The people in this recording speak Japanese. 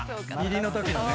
「入りのときのね」